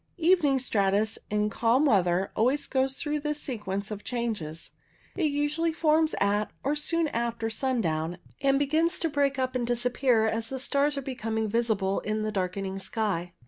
Evening stratus in calm weather always goes through this sequence of changes. It usually forms at, or soon after, sun down, and begins to break up and disappear as the stars are becoming visible in the darkening sky.